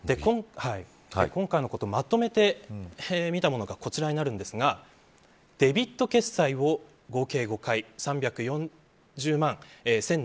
今回のことをまとめて見たものがこちらとなりますがデビット決済を合計５回３４０万１０７１円。